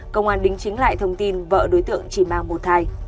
công an đính chính lại thông tin vợ đối tượng chỉ mang một thai